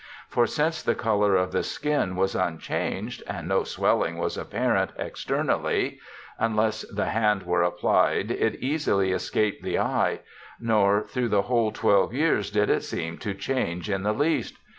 For since the colour of the skin was unchanged and no swelling was apparent externally, unless the hand were applied it easily escaped the eye ; nor through the whole 12 years did it seem to change in the least.